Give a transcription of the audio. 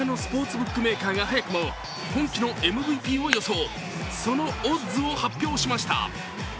ブックメーカーが速くも今季のＭＶＰを予想、そのオッズを発表しました。